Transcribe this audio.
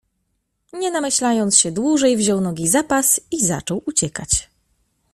"Nie namyślając się dłużej, wziął nogi za pas i zaczął uciekać."